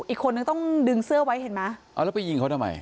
อีกคนนึงต้องดึงเสื้อไว้เห็นไหมเอาแล้วไปยิงเขาทำไม